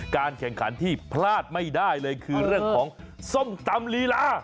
การแข่งขันที่พลาดไม่ได้เลยคือเรื่องของส้มตำลีลา